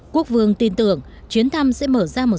quốc vương tin tưởng chuyến thăm sẽ mở ra một giai đoạn